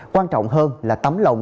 quan trọng hơn là tấm lòng